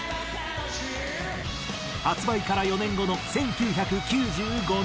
発売から４年後の１９９５年。